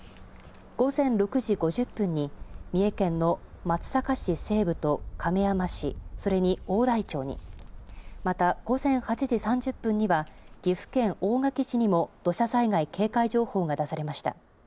午前６時５０分に、三重県の松阪市西部と亀山市、それに大台町に、また午前８時３０分には、岐阜県大垣市にも土砂災害警戒情報が出されました。